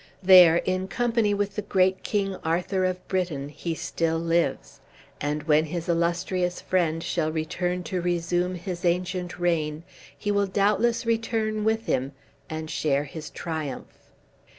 There, in company with the great King Arthur of Britain, he still lives, and when his illustrious friend shall return to resume his ancient reign he will doubtless return with him, and share his triumph.